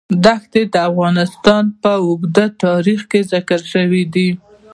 دښتې د افغانستان په اوږده تاریخ کې ذکر شوی دی.